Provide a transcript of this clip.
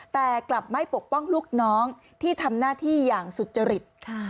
แต่กลับไม่ปกป้องลูกน้องที่ทำหน้าที่อย่างสุจริต